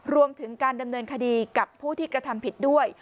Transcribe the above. รวมถึงการดำเนินคดีกับผู้ที่กระทำผิดด้วย